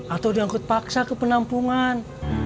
atau diangkut paksa ke penampungan